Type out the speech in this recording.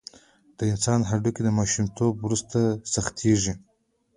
د انسان هډوکي د ماشومتوب وروسته سختېږي.